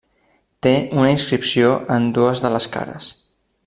Té una inscripció en dues de les cares.